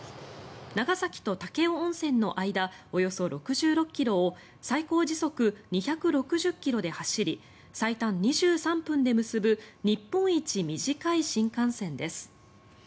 長崎と武雄温泉の間およそ６６ｋｍを最高時速２６０ｋｍで走り最短２３分で結ぶ日本一短い新幹線です。